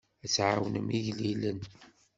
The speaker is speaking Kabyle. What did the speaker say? Ad tɛawnem igellilen.